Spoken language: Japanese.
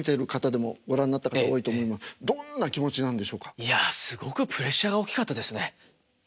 いやすごくプレッシャーが大きかったですね。